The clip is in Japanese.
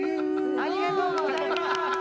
ありがとうございます！